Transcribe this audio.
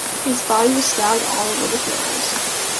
His body was stabbed all over with knives.